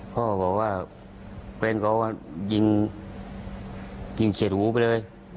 พ่อบอกว่าเพื่อนค้าว่ายิงเสดหูไปเลย